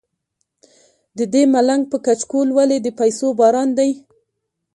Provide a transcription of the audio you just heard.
ددې ملنګ په کچکول ولې د پیسو باران دی.